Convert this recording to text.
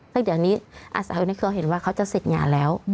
สักเดี๋ยวนี้อาสาเห็นว่าเขาจะเสร็จงานแล้ว